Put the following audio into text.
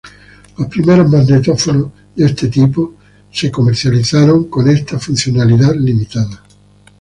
Los primeros magnetófonos de este tipo se comercializaron con esta funcionalidad limitada.